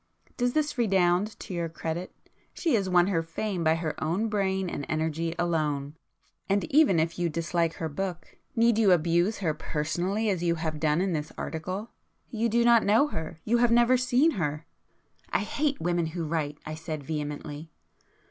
Does this redound to your credit? She has won her fame by her own brain and energy alone,—and even if you dislike her book need you abuse her personally as you have done in this article? You do not know her; you have never seen her, ..." "I hate women who write!" I said vehemently.